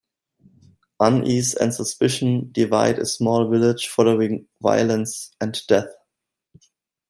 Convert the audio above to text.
Unease and suspicion divide a small village following violence and death.